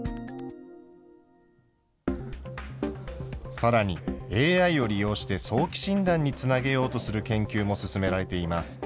さらにＡＩを利用して早期診断につなげようとする研究も進められています。